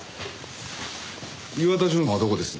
岩田純はどこです？